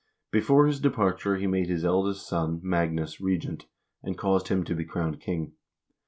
Before his departure he made his eldest son, Magnus, regent, and caused him to be crowned king.